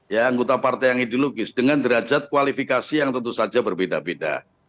ya anggota partai yang ideologis dengan derajat kualifikasi yang tentu saja berbeda beda